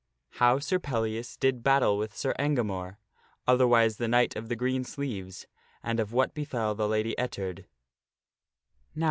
How Sir Pellias Did Battle With Sir Engamore, Otherwise the Knight of the Green Sleeves, and of What Befell the Lady Ettard.